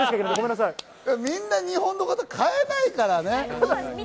みんな、日本の方、買えないからね。